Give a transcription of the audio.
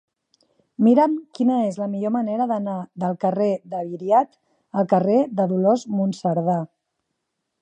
Mira'm quina és la millor manera d'anar del carrer de Viriat al carrer de Dolors Monserdà.